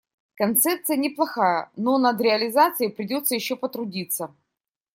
Концепция неплохая, но над реализацией придётся ещё потрудиться.